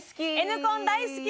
Ｎコン大好き！